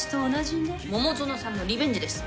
桃園さんのリベンジです。